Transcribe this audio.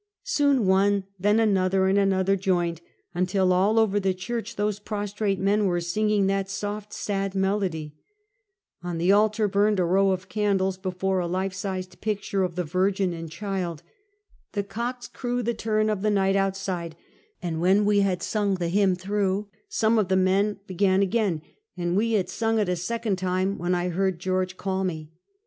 Soon one, then another and another joined, until all over the church these prostrate men were singing that soft, sad melody. On the altar burned a row of candles before a life sized picture of the Yirgin and Child. The cocks crew the turn of the night outside, and when we had sung the hymn through, some of the men began again, and we had sung it a second time when I heard George call me.